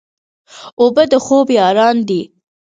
اوبه د خوب یاران دي.